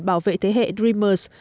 bảo vệ thế hệ dreamers